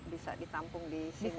bisa ditampung di sini